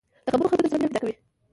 له خبرو خلک در سره مینه پیدا کوي